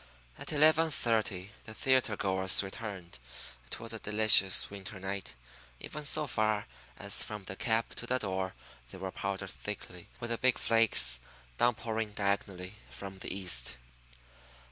At eleven thirty the theatre goers returned. It was a delicious winter night. Even so far as from the cab to the door they were powdered thickly with the big flakes downpouring diagonally from the east.